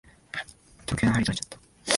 時計の針とれちゃった。